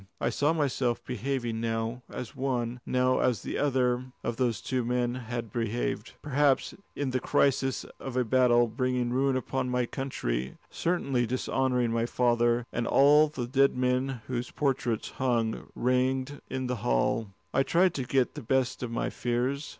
I saw myself behaving now as one, now as the other, of those two men had behaved, perhaps in the crisis of a battle bringing ruin upon my country, certainly dishonouring my father and all the dead men whose portraits hung ranged in the hall. I tried to get the best of my fears.